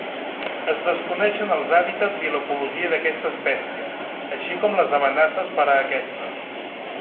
Es desconeixen els hàbitats i l'ecologia d'aquesta espècie, així com les amenaces per a aquesta.